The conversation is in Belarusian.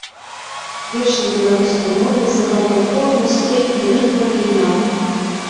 Верш на беларускай мове захаваў форму, стыль і рытм арыгінала.